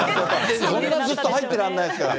そんなずっと入ってられないですから。